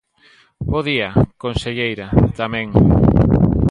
Bo día, conselleira, tamén.